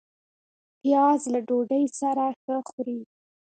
پیاز له ډوډۍ سره ښه خوري